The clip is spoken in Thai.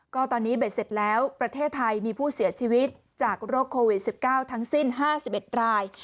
ก็ตอนนี้เบ็ดเสร็จแล้วประเทศไทยมีผู้เสียชีวิตจากโรคโควิด๑๙ทั้งสิ้น๕๑ราย